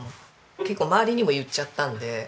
結構周りにも言っちゃったんで。